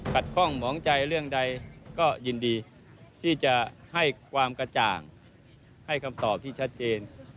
ข้องหมองใจเรื่องใดก็ยินดีที่จะให้ความกระจ่างให้คำตอบที่ชัดเจน